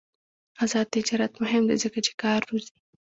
آزاد تجارت مهم دی ځکه چې کار روزي.